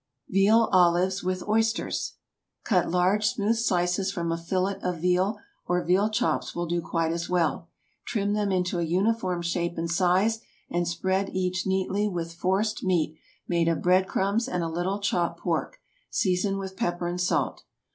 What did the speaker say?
VEAL OLIVES WITH OYSTERS. Cut large, smooth slices from a fillet of veal, or veal chops will do quite as well. Trim them into a uniform shape and size, and spread each neatly with forced meat made of bread crumbs and a little chopped pork, seasoned with pepper and salt.